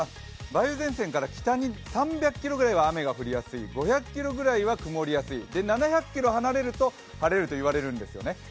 梅雨前線から北に３００キロぐらいは雨が降りやすい５００ｋｍぐらいは曇りやすい７００ｋｍ離れると晴れるといわれてるんですよね。